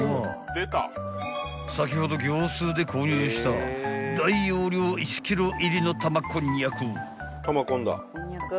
［先ほど業スーで購入した大容量１ｋｇ入りの玉こんにゃく］